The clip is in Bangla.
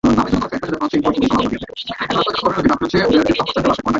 অবকাশ যাপনে থাকা এরদোয়ান মোবাইল থেকে একটি টেলিভিশন চ্যানেলে বার্তা পাঠান।